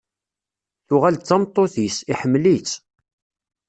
Tuɣal d tameṭṭut-is, iḥemmel-itt.